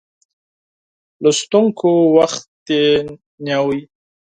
لوستونکو وخت یې نیوی.